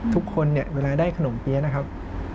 ทุกคนเวลาได้ขนมเบี้ยนะครับ